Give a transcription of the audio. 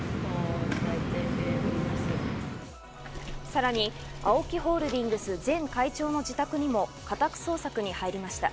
さらにＡＯＫＩホールディングス前会長の自宅にも家宅捜索に入りました。